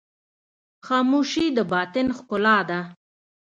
خاموشي، د باطن ښکلا ده.